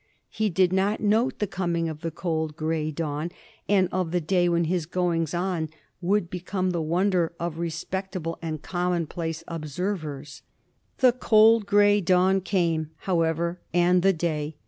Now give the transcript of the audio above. He did not note the coming of the cold gray dawn, and of the day when his goings on would become the wonder of respectable and commonplace observers. The cold gray dawn came, however, and the day.